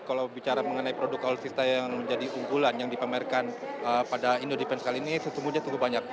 kalau bicara mengenai produk alutsista yang menjadi unggulan yang dipamerkan pada indo defense kali ini sesungguhnya cukup banyak